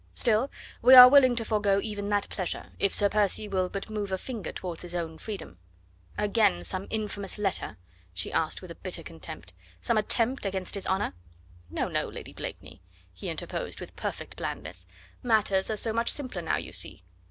Still we are willing to forego even that pleasure, if Sir Percy will but move a finger towards his own freedom." "Again some infamous letter?" she asked with bitter contempt; "some attempt against his honour?" "No, no, Lady Blakeney," he interposed with perfect blandness. "Matters are so much simpler now, you see.